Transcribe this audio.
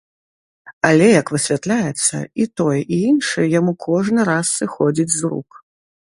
Але, як высвятляецца, і тое, і іншае яму кожны раз сыходзіць з рук.